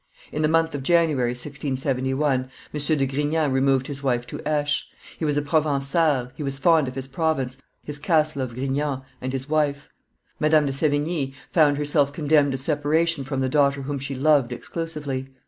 In the month of January, 1671, M. de Grignan removed his wife to Aix: he was a Provencal, he was fond of his province, his castle of Grignan, and his wife. Madame de Sevigne found herself condemned to separation from the daughter whom she loved exclusively.